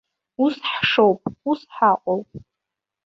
Ус ҳшоуп, ус ҳаҟоуп.